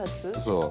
そう。